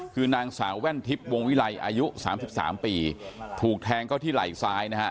คือนางสาวแว่นทิพย์วงวิลัยอายุสามสิบสามปีถูกแทงเข้าที่ไหล่ซ้ายนะฮะ